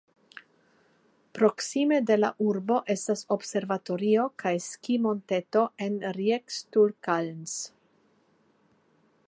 Proksime de la urbo estas observatorio kaj skimonteto en Riekstukalns.